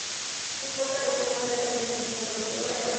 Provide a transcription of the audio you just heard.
No importa lo que uno sea realmente, sino lo que se logra parecer.